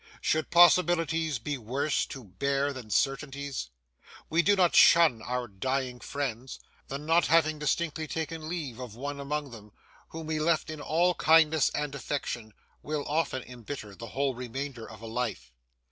Should possibilities be worse to bear than certainties? We do not shun our dying friends; the not having distinctly taken leave of one among them, whom we left in all kindness and affection, will often embitter the whole remainder of a life.